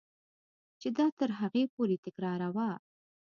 چې دا تر هغې پورې تکراروه.